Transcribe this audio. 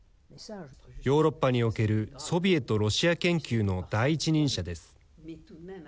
ヨーロッパにおけるソビエト・ロシア研究の第一人者です。